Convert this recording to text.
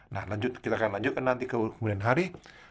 nah kita akan lanjutkan nanti kemudian hari